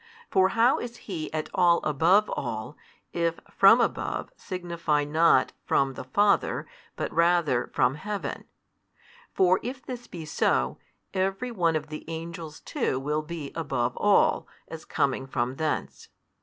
For how is He at all above all, if from above |186 signify not From the Father, but rather From Heaven? For if this be so, every one of the angels too will be above all, as coming from thence.